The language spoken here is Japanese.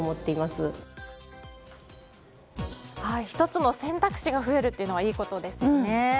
１つの選択肢が増えるというのはいいことですよね。